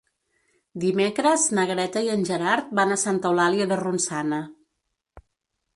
Dimecres na Greta i en Gerard van a Santa Eulàlia de Ronçana.